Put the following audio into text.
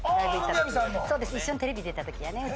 一緒にテレビ出た時やね。